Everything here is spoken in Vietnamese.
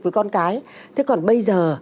với con cái thế còn bây giờ